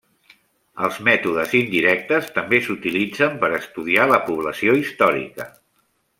Els mètodes indirectes també s'utilitzen per estudiar la població històrica.